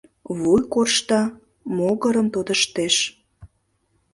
Вуй коршта, могырым тодыштеш.